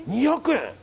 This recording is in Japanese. ２００円？